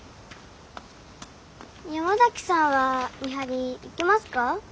山崎さんは見張り行きますか？